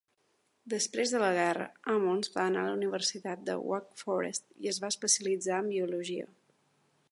Després de la guerra, Ammons va anar a la universitat de Wake Forest i es va especialitzar en biologia.